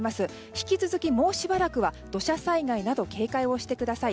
引き続きもうしばらくは土砂災害など警戒をしてください。